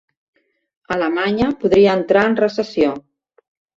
Alemanya podria entrar en recessió